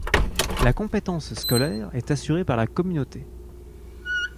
La compétence scolaire est assurée par la communauté.